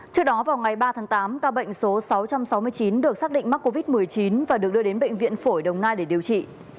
trước đó vào ngày ba tháng tám ca bệnh số sáu trăm sáu mươi chín được xác định mắc covid một mươi chín và được đưa đến bệnh viện phổi đồng nai để điều trị